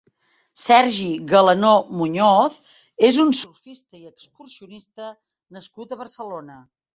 Sergi Galanó Muñoz és un surfista i excursionista nascut a Barcelona.